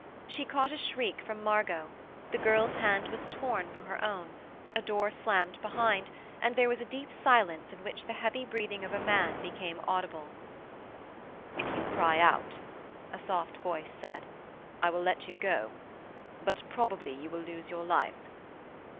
She caught a shriek from Margot; the girl's hand was torn from her own; a door slammed behind, and there was a deep silence in which the heavy breathing of a man became audible. 'If you cry out,' a soft voice said, 'I will let you go. But probably you will lose your life.'